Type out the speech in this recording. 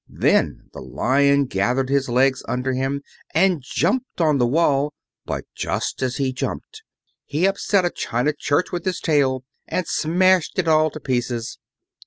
Then the Lion gathered his legs under him and jumped on the wall; but just as he jumped, he upset a china church with his tail and smashed it all to pieces.